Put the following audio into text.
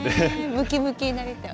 ムキムキになりたい。